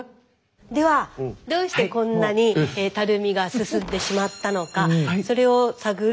ではどうしてこんなにたるみが進んでしまったのかそれを探る